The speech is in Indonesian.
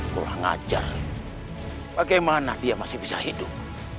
kurang ajar bagaimana dia masih bisa hidup